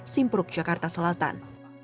simpuruk jakarta selatan